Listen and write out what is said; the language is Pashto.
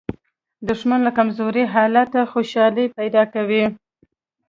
دښمن له کمزوري حالته خوشالي پیدا کوي